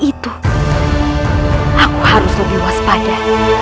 itu aku harus lebih was pada